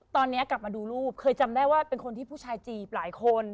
ตอนนี้กลับมาดูรูปเคยจำได้ว่าเป็นคนที่ผู้ชายจีบหลายคน